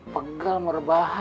sampai jumpa di video selanjutnya